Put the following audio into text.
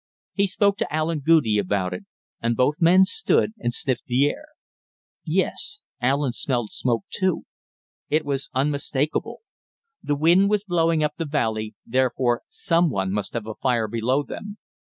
He spoke to Allen Goudie about it, and both men stood and sniffed the air. Yes, Allen smelled smoke, too. It was unmistakable. The wind was blowing up the valley; therefore someone must have a fire below them.